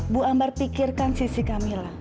bu ambar pikirkan sisi kamila